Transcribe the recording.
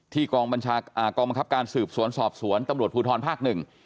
กองบังคับการสืบสวนสอบสวนตำรวจภูทรภาคหนึ่ง